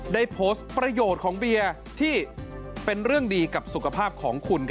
ได้โพสต์ประโยชน์ของเบียร์ที่เป็นเรื่องดีกับสุขภาพของคุณ